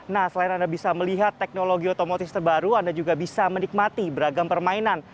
nah selain anda bisa melihat teknologi otomotif terbaru anda juga bisa menikmati beragam permainan